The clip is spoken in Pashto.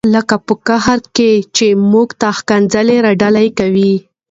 لکه په قهر کې چې موږ ته ښکنځلې را ډالۍ کوي.